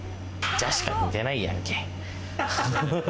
「じゃ」しか似てないやんけ！